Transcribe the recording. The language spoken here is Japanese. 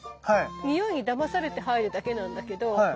においにダマされて入るだけなんだけど。